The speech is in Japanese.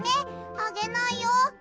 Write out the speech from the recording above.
あげないよ。